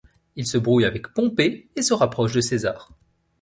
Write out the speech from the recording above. Il se brouille avec Pompée, et se rapproche de César.